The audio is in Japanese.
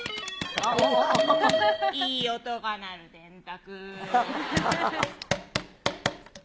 いい音が鳴る電卓。